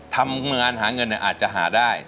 ทำงานหาเงินอาจจะหาได้